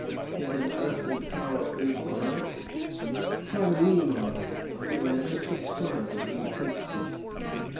Is an earthly power infinite? Pardon me, my lord; I can never subscribe to these principles.